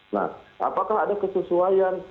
nah apakah ada kesesuaian